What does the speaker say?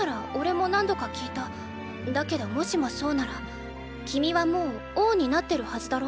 だけどもしもそうなら君はもう王になってるはずだろ？